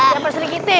ya pak sirkiti